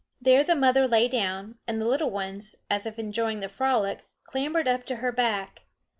There the mother lay down, and the little ones, as if enjoying the frolic, clambered up to her back.